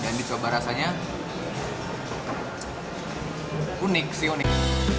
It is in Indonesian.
dan dicoba rasanya unik sih unik